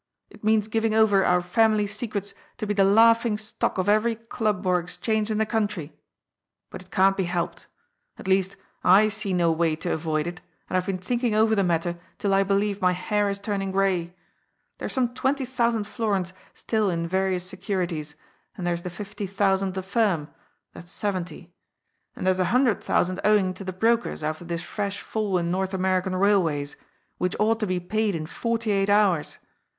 It means giving over our family secrets to be the laughing stock of every club or exchange in the country. But it can't be helped. At least, I see no way to avoid it, and I've been thinking over the matter till I believe my hair is turning gray. There's some twenty thousand florins still in various securities, and there's the fifty thousand of the firm, that's seventy. And there's a hundred thousand owing to the brokers after this fresh fall in North American Bailways, which ought to be paid in forty eight hours.